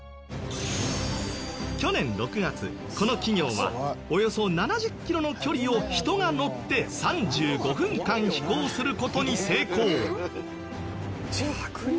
去年６月この企業はおよそ７０キロの距離を人が乗って３５分間飛行する事に成功。